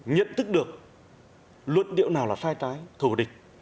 nhận thức được luận điệu nào là sai trái thù địch